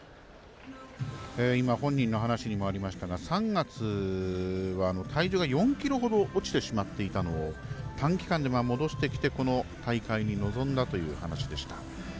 本人の話にもありましたが体重が４ｋｇほど落ちてしまっていたのを短期間で戻してきてこの大会に臨んだという話でした。